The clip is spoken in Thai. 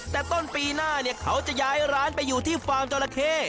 แต่ต้นปีหน้าเนี่ยเขาจะย้ายร้านไปอยู่ที่ฟาร์มจราเข้